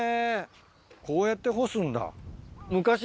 こうやって干すんだ。